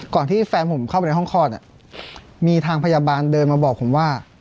ที่แฟนผมเข้าไปในห้องคลอดมีทางพยาบาลเดินมาบอกผมว่า